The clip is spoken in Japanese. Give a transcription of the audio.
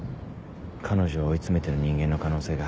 彼女を追い詰めてる人間の可能性が。